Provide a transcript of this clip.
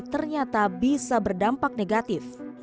ternyata bisa berdampak negatif